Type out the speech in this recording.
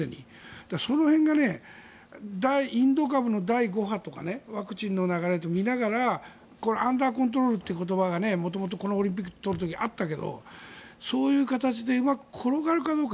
その辺がインド株の第５波とかワクチンの流れとかを見ながらアンダーコントロールという言葉が元々、このオリンピックを取る時にあったけどそういう形でうまく転がるかどうか。